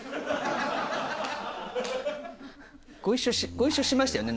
ご一緒しましたよね？